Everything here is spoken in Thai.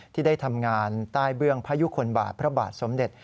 ที่ได้ทำงานใต้เบื้องพยุคลบาทพระบาทสมเด็จ